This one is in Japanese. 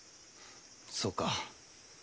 そうか。